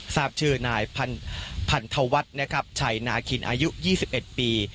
ทราบชื่อนายพันธวัฒน์นะครับชัยนาขินอายุยี่สิบเอ็ดปี